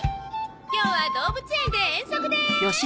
今日は動物園で遠足です！